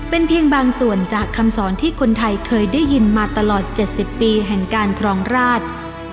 เป็นเพียงบางส่วนจากคำสอนที่คนไทยเคยได้ยินมาตลอด๗๐ปีแห่งการครองราช